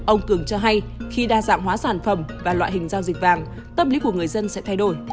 ông cường cho hay khi đa dạng hóa sản phẩm và loại hình giao dịch vàng tâm lý của người dân sẽ thay đổi